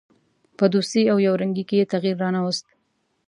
په دوستي او یو رنګي کې یې تغییر را نه ووست.